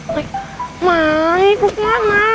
maik maik gue kemana